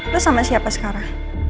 lo sama siapa sekarang